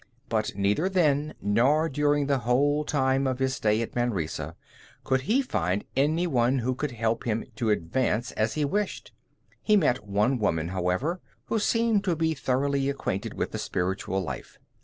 But neither then, nor during the whole time of his stay at Manresa, could he find any one who could help him to advance as he wished. He met one woman, however, who seemed to be thoroughly acquainted with the spiritual life.